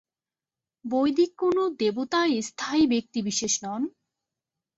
বৈদিক কোন দেবতাই স্থায়ী ব্যক্তিবিশেষ নন।